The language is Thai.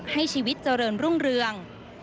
ให้ชีวิตเจริญรุ่งเรือง